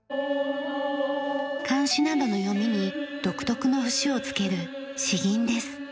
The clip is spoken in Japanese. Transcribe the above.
漢詩などの詠みに独特の節をつける詩吟です。